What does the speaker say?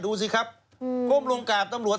ดูสิครับก้มลงกราบตำรวจ